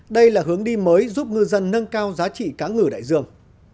đây là hướng đi mới giúp ngư dân nâng cao giá trị cá ngừ đại dương